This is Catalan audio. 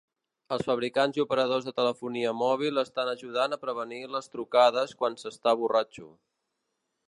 Els fabricants i operadors de telefonia mòbil estan ajudant a prevenir les trucades quan s'està borratxo.